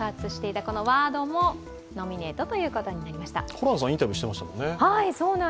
ホランさん、インタビューしていましたよね？